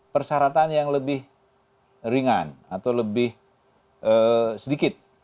persyaratan yang lebih ringan atau lebih sedikit